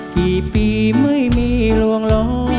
กี่ปีไม่มีลวงล้อ